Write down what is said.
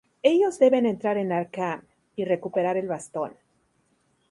Ellos deben entrar en Arkham, y recuperar el bastón.